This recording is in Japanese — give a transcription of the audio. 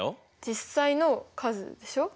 実際の数でしょ。